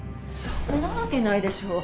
そんなわけないでしょ。